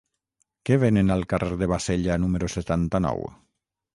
Què venen al carrer de Bassella número setanta-nou?